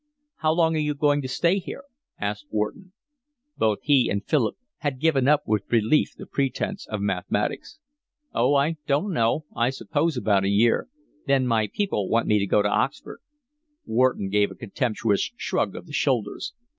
"How long are you going to stay here?" asked Wharton. Both he and Philip had given up with relief the pretence of mathematics. "Oh, I don't know. I suppose about a year. Then my people want me to go to Oxford." Wharton gave a contemptuous shrug of the shoulders.